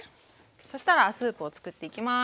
そしたらスープをつくっていきます。